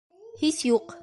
Һис юҡ!